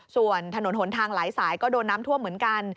ส่วนถนนหนทางหลายสายก็โดนน้ำท่วมเหมือนกัน